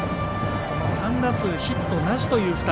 その３打数ヒットなしという２人。